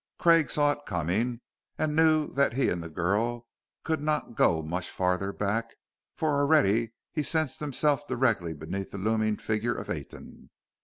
Craig saw it coming, and knew that he and the girl could not go much farther back, for already he sensed himself directly beneath the looming figure of Aten.